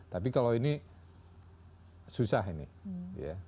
tapi kalau ini susah ini ya